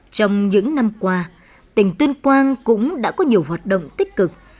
trong những năm qua tỉnh tuyên quang cũng đã có nhiều hoạt động tích cực